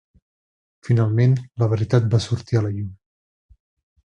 Finalment la veritat va sortir a la llum.